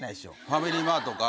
ファミリーマートか？